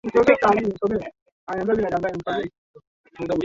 mji wa Madras Mpaka leo wako Wakristo wa Thoma kusini magharibi